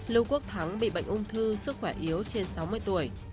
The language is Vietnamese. lưu quốc thắng bị bệnh ung thư sức khỏe yếu trên sáu mươi tuổi